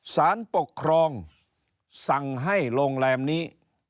สารปกครองสั่งให้โรงแรมนี้